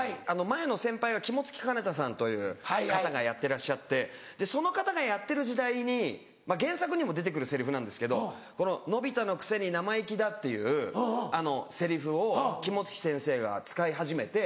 前の先輩が肝付兼太さんという方がやってらっしゃってその方がやってる時代に原作にも出て来るセリフなんですけど「のび太のくせに生意気だ」っていうセリフを肝付先生が使い始めて。